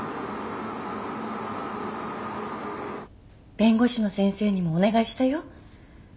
弁護士の先生にもお願いしたよ。